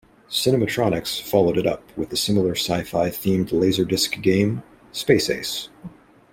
Cinematronics followed it up with the similar sci-fi-themed laserdisc game, "Space Ace".